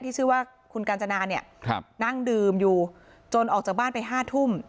ชื่อว่าคุณกาญจนาเนี่ยนั่งดื่มอยู่จนออกจากบ้านไป๕ทุ่ม